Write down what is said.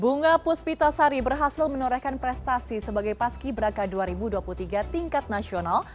bunga puspita sari berhasil menorehkan prestasi sebagai paski braka dua ribu dua puluh tiga tingkat nasional